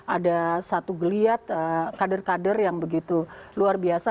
ada satu geliat kader kader yang begitu luar biasa